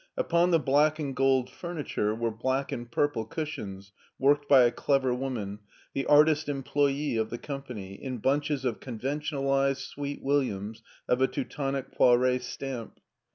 Upon the black and gold furniture were black and purple cushions worked by a clever woman, the artist employee of the company, in bunches of conventionalized sweet williams of a Teutonic Poiret stamp.